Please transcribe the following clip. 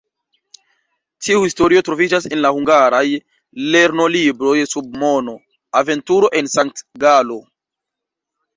Tiu historio troviĝas en la hungaraj lernolibroj sub nomo "Aventuro en Sankt-Galo".